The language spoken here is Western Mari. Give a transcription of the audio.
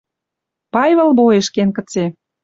Пайвыл бойыш кен кыце